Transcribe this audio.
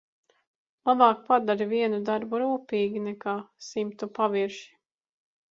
Labāk padari vienu darbu rūpīgi nekā simtu pavirši.